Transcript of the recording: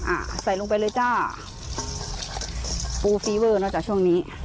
อ่าใส่ลงไปเลยจ้าปูฟีเวอร์เนอะจ้ะช่วงนี้